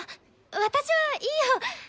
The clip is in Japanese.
私はいいよ！